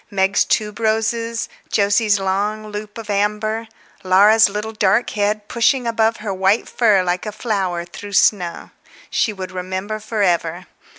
Meg's tuberoses, Jose's long loop of amber, Laura's little dark head, pushing above her white fur like a flower through snow. She would remember for ever.